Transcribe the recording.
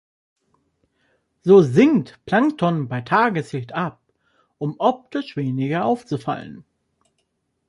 So sinkt Plankton bei Tageslicht ab, um optisch weniger aufzufallen.